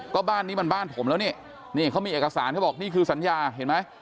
ก็บ้านนี้มันบ้านผมแล้วนี่นี่เขามีเอกสารเขาบอกนี่คือสัญญาเห็นไหม